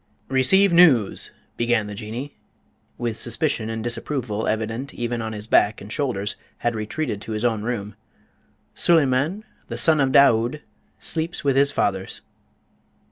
"Receive news!" began the Jinnee, after Beevor, with suspicion and disapproval evident even on his back and shoulders, had retreated to his own room, "Suleyman, the son of Daood, sleeps with his fathers."